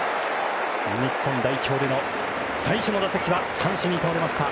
日本代表での最初の打席は三振に倒れました。